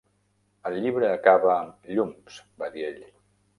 El llibre acaba amb "Llums", va dir ell.